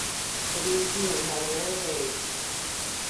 The museum had a rare Vase.